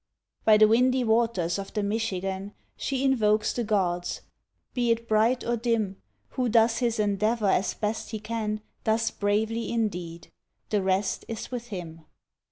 By the windy waters of the Michigan She invokes the gods. ... Be it bright or dim, Who does his endeavor as best he can Does bravely, indeed. The rest is with Him.